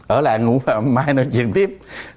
ở lại ngủ mai nói chuyện tiếp